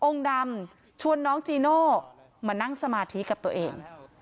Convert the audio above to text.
ดำชวนน้องจีโน่มานั่งสมาธิกับตัวเอง